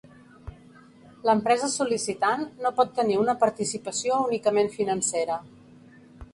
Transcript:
L'empresa sol·licitant no pot tenir una participació únicament financera.